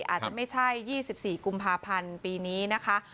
อาจจะไม่ใช่๒๔กุมภาพันธ์ปีนี้นะคะ